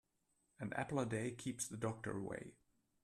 An apple a day keeps the doctor away.